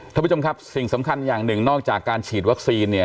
ท่านผู้ชมครับสิ่งสำคัญอย่างหนึ่งนอกจากการฉีดวัคซีนเนี่ย